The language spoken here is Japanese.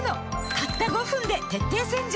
たった５分で徹底洗浄